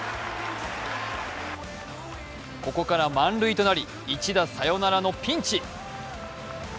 ここから満塁となり、一打サヨナラのピンチ。